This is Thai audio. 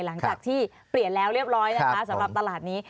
หลังจากที่เปลี่ยนแล้วเรียบร้อยนะคะสำหรับตลาดนี้